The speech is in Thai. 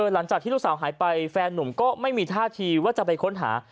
หลังจากที่ลูกสาวหายไปแฟนนุ่มก็ไม่มีท่าทีว่าจะไปค้นหา